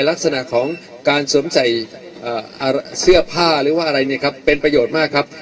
ลักษณะของการสวมใส่เสื้อผ้าหรือว่าอะไรเนี่ยครับเป็นประโยชน์มากครับ